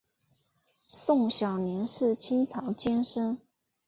宋小濂是清朝监生。